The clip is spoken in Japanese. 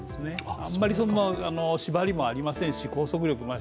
あまり縛りもありませんし、拘束力もない。